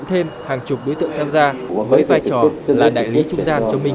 thêm hàng chục đối tượng tham gia với vai trò là đại lý trung gian cho mình